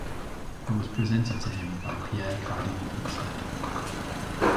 It was presented to him by Pierre Cardin instead.